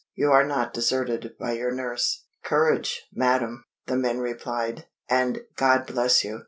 you are not deserted by your nurse." "Courage, madam!" the men replied; "and God bless you!"